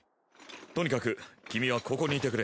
とにかく君はここにいてくれ。